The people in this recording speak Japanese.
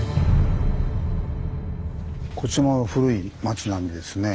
こちらも古い町並みですね。